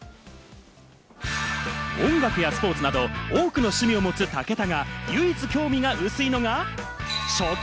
音楽やスポーツなど多くの趣味を持つ武田が唯一興味が薄いのが食。